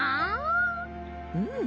うん。